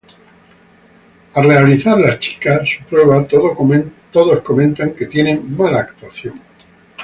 Al realizar las chicas su prueba, todas comentan que tienen mala actuación.